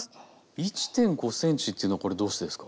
１．５ｃｍというのはこれどうしてですか？